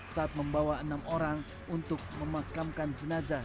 saat membawa enam orang untuk memakamkan jenazah